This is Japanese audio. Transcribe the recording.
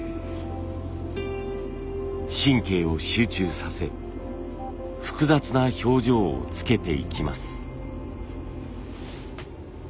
神経を集中させ複雑な表情をつけていきます。